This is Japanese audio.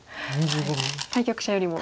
対局者よりも。